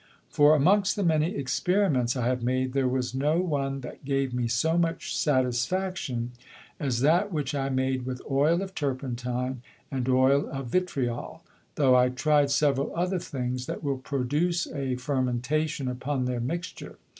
For amongst the many Experiments I have made, there was no one that gave me so much Satisfaction, as that which I made with Oil of Turpentine, and Oil of Vitriol, though I try'd several other things, that will produce a Fermentation upon their Mixture.